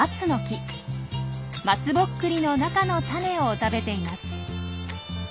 まつぼっくりの中のタネを食べています。